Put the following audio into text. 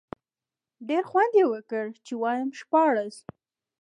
ډېر خوند یې وکړ، چې وایم شپاړس.